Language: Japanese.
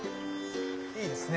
いいですね。